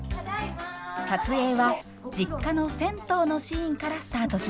撮影は実家の銭湯のシーンからスタートしました。